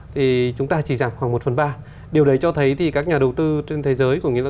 thì chúng ta chỉ giảm khoảng một phần ba điều đấy cho thấy thì các nhà đầu tư trên thế giới cũng như là